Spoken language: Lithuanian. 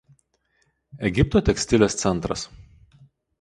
Egipto tekstilės centras.